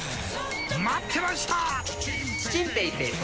待ってました！